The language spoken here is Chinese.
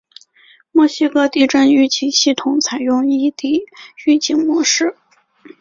墨西哥地震预警系统采用异地预警模式。